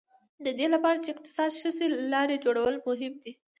د دې لپاره چې اقتصاد ښه شي لارې جوړول مهم دي.